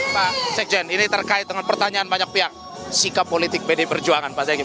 pak sekjen ini terkait dengan pertanyaan banyak pihak sikap politik bd perjuangan pak zaini